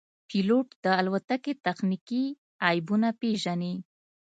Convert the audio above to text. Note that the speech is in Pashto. پیلوټ د الوتکې تخنیکي عیبونه پېژني.